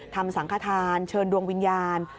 ทำสังฆาธานเชิญดวงวิญญาณ